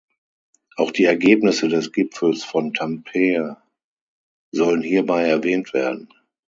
Auch die Ergebnisse des Gipfels von Tampere sollen hierbei erwähnt werden.